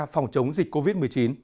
phòng chống dịch covid một mươi chín